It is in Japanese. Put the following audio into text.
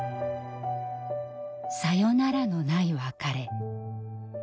「さよなら」のない別れ。